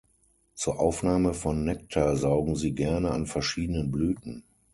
Zur Aufnahme von Nektar saugen sie gerne an verschiedenen Blüten.